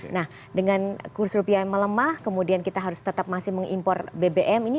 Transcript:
nah dengan kurs rupiah yang melemah kemudian kita harus tetap masih mengimpor bbm ini